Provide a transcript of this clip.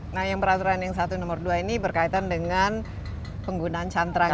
nah yang peraturan yang satu nomor dua ini berkaitan dengan penggunaan cantrang